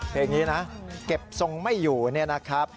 เพลงนี้นะเก็บทรงไม่อยู่เนี่ยนะครับ